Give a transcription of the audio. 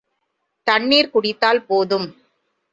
தண்ணீர் குடித்தால் போதும்.